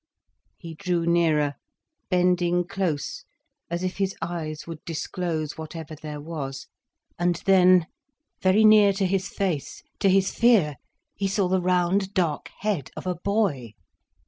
He drew nearer, bending close as if his eyes would disclose whatever there was. And then, very near to his face, to his fear, he saw the round, dark head of a boy.